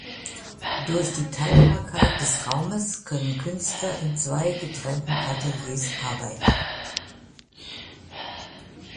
Durch die Teilbarkeit des Raumes können Künstler in zwei getrennten Ateliers arbeiten.